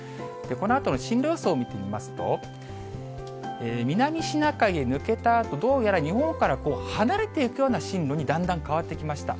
このあとの進路予想を見てみますと、南シナ海へ抜けたあと、どうやら日本から離れていくような進路にだんだん変わってきました。